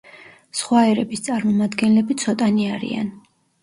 სხვა ერების წარმომადგენლები ცოტანი არიან.